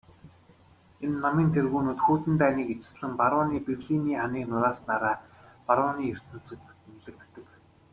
Энэ намын тэргүүнүүд хүйтэн дайныг эцэслэн баруун Берлиний ханыг нурааснаараа барууны ертөнцөд үнэлэгддэг.